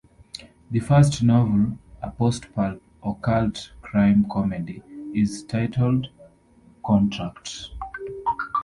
The first novel, a "post-pulp" occult-crime-comedy, is titled "Contract".